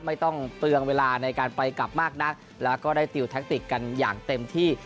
ไม่ต้องเปลืองเวลาในการไปกลับมากนักแล้วก็ได้ติวแท็กติกกันอย่างเต็มที่